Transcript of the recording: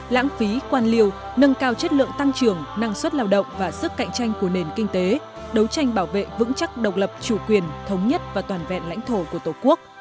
lãng phí quan liêu nâng cao chất lượng tăng trưởng năng suất lao động và sức cạnh tranh của nền kinh tế đấu tranh bảo vệ vững chắc độc lập chủ quyền thống nhất và toàn vẹn lãnh thổ của tổ quốc